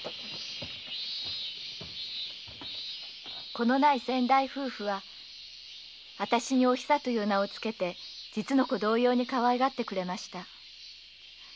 子のない先代夫婦は私に“お久”という名を付けて実の子同様にかわいがってくれました。